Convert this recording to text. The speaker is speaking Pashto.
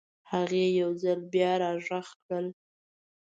هغې یو ځل بیا راباندې غږ کړل.